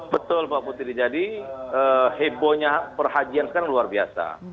betul mbak putri jadi hebohnya perhajian sekarang luar biasa